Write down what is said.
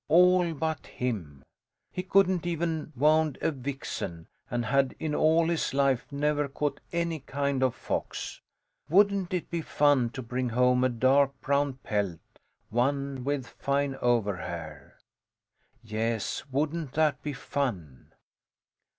All but him. He couldn't even wound a vixen, and had in all his life never caught any kind of fox. Wouldn't it be fun to bring home a dark brown pelt, one with fine overhair? Yes, wouldn't that be fun?